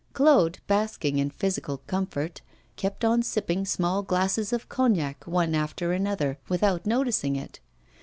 Claude, basking in physical comfort, kept on sipping small glasses of cognac one after another, without noticing it.